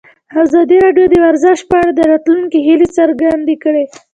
ازادي راډیو د ورزش په اړه د راتلونکي هیلې څرګندې کړې.